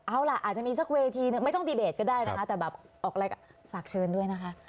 เอาล่ะอาจจะมีสักเวทีนึงไม่ต้องดีเบตก็ได้นะคะแต่แบบออกรายการฝากเชิญด้วยนะคะ